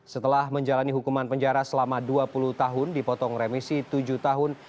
setelah menjalani hukuman penjara selama dua puluh tahun dipotong remisi tujuh tahun